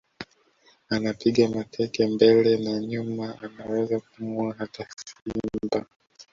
Anapiga mateke mbele na nyuma anaweza kumuua hata Simba